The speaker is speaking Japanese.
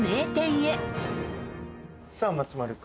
さあ松丸君。